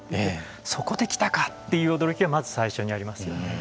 そこで来たかという驚きがまず最初にありますよね。